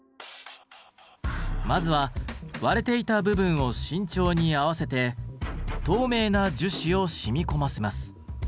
まずは割れていた部分を慎重に合わせて透明な樹脂を染み込ませます。